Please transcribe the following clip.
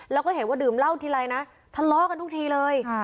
แล้วก็เห็นว่าดื่มเหล้าทีไรนะทะเลาะกันทุกทีเลย